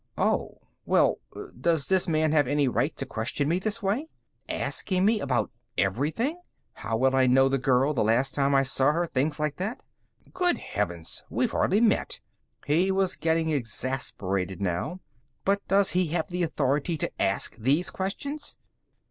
Oh? Well, does this man have any right to question me this way? Asking me? About everything!... How well I know the girl, the last time I saw her things like that. Good heavens, we've hardly met!" He was getting exasperated now. "But does he have the authority to ask these questions?